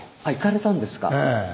あ行かれたんですか。